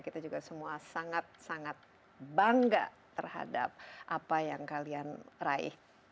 kita juga semua sangat sangat bangga terhadap apa yang kalian raih